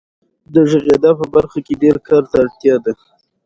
په افغانستان کې د بزګان منابع شته.